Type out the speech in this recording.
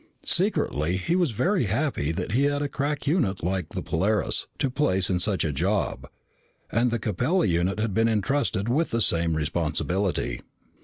Secretly he was very happy that he had a crack unit like the Polaris to place in such a job. And the Capella unit had been entrusted with the same responsibility.